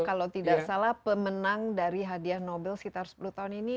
kalau tidak salah pemenang dari hadiah nobel sekitar sepuluh tahun ini